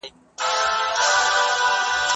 ملا یو ډېر لرې غږ حس کړ.